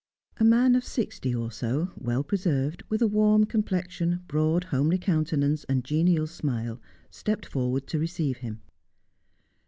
A man of sixty or so, well preserved, with a warm complexion, broad homely countenance and genial smile, stepped forward to receive him.